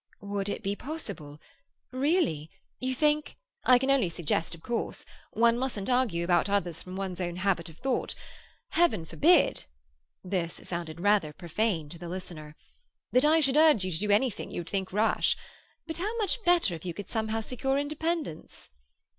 "Would it be possible? Really? You think—" "I can only suggest, of course. One mustn't argue about others from one's own habit of thought. Heaven forbid"—this sounded rather profane to the listener—"that I should urge you to do anything you would think rash. But how much better if you could somehow secure independence."